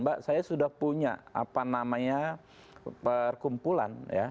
mbak saya sudah punya apa namanya perkumpulan ya